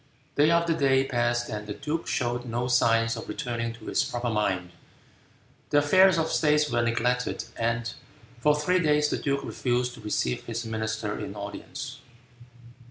Day after day passed and the duke showed no signs of returning to his proper mind. The affairs of state were neglected, and for three days the duke refused to receive his ministers in audience.